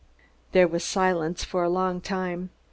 There was silence for a long time.